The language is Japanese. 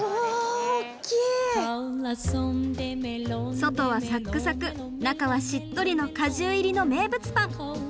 外はサックサク中はしっとりの果汁入りの名物パン。